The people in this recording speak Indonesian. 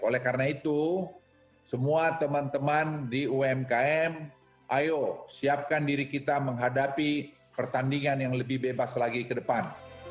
oleh karena itu semua teman teman di umkm ayo siapkan diri kita menghadapi pertandingan yang lebih bebas lagi ke depan